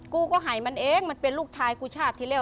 กูก็ให้มันเองมันเป็นลูกชายกูชาติที่แล้ว